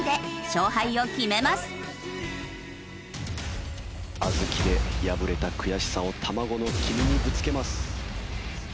小豆で敗れた悔しさを卵の黄身にぶつけます。